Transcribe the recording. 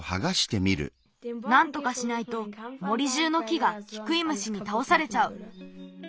なんとかしないと森じゅうの木がキクイムシにたおされちゃう。